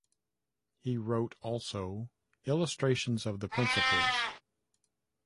He wrote also "Illustrations of the Principles".